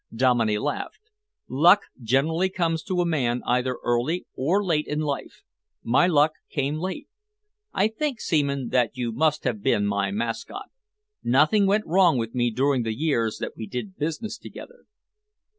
Dominey laughed. "Luck generally comes to a man either early or late in life. My luck came late. I think, Seaman, that you must have been my mascot. Nothing went wrong with me during the years that we did business together."